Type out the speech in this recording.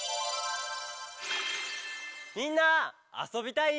「みんなあそびたい？」